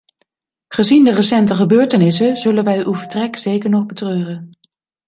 Gezien de recente gebeurtenissen zullen wij uw vertrek zeker nog betreuren.